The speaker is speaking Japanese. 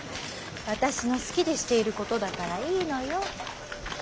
私の好きでしていることだからいいのよ。